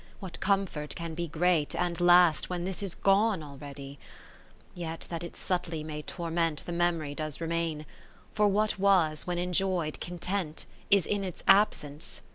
What comfort can be great, and last, When this is gone already ? Ill Yet that it subtly may torment, The memory does remain ; lo For what was, when enjoy'd, Content^ Is, in its absence.